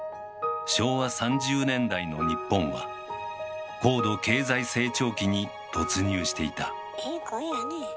昭和３０年代の日本は高度経済成長期に突入していたええ